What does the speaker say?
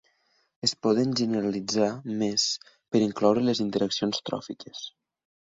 Es poden generalitzar més per incloure les interaccions tròfiques.